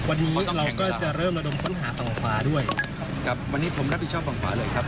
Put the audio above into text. วันนี้เราก็จะเริ่มระดมค้นหาฝั่งขวาด้วยครับครับวันนี้ผมรับผิดชอบฝั่งขวาเลยครับ